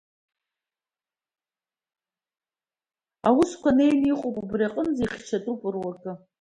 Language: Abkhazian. Аусқәа неины иҟоуп убри аҟынӡа, ихьчатәуп руакы…